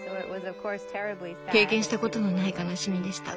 経験したことのない悲しみでした。